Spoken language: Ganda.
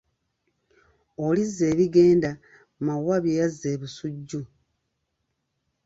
Olizze ebigenda Mawuba bye yazza e Busujju.